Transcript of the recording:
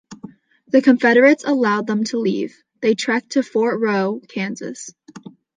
The Confederates allowed them to leave; they trekked to Fort Row, Kansas.